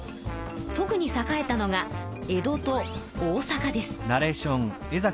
特に栄えたのが江戸と大阪です。